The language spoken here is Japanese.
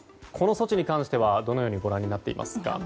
この措置に関してはどのようにご覧になっていますか？